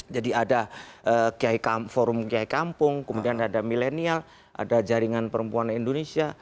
jadi ada forum kiai kampung kemudian ada millenial ada jaringan perempuan indonesia